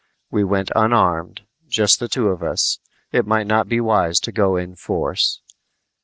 We went unarmed, just the two of us; it might not be wise to go in force.